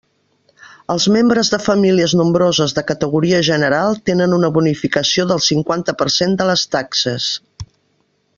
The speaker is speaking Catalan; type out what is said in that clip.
Els membres de famílies nombroses de categoria general tenen una bonificació del cinquanta per cent de les taxes.